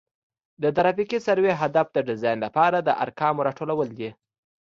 د ترافیکي سروې هدف د ډیزاین لپاره د ارقامو راټولول دي